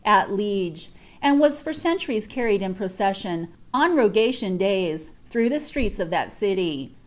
<i Liege, and was for centnries carried in procession, on T'.: through the streets of that city.